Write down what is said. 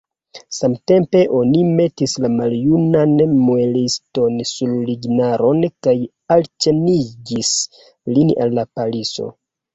Samtempe oni metis la maljunan mueliston sur lignaron kaj alĉenigis lin al la paliso.